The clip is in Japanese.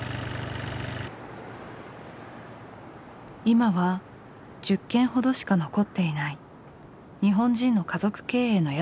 今は１０軒ほどしか残っていない日本人の家族経営の宿です。